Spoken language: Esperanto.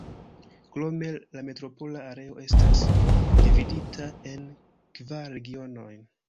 Krome, la metropola areo estas dividita en kvar regionojn.